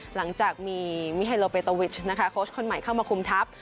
หลังจากมีมิไฮโลเบตวิชนะคะโค้ชคนใหม่เข้ามาคุมทัพ